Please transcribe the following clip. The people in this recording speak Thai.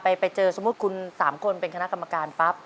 ไปเจอสมมุติคุณ๓คนเป็นคณะกรรมการปั๊บ